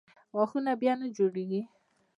غاښونه بیا نه جوړېږي.